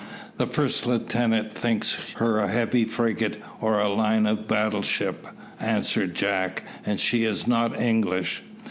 "The first lieutenant thinks her a heavy frigate, or a line of battle ship," answered Jack, "and she is not English."